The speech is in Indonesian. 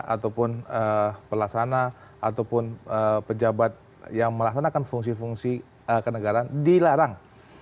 ataupun pelaksana ataupun pejabat yang melaksanakan fungsi fungsi kenegaraan dilarang